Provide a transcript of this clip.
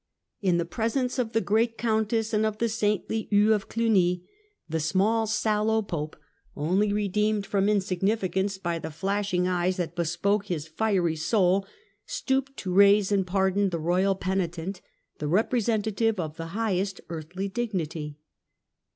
In the presence of the great Countess and of the saintly Hugh of Cluny, tlie small sallow Pope, only redeemed from insignificance by the flashing eyes that bespoke his fiery soul, stooped to raise and pardon the royal penitent, the representative of the highest earthly dignity.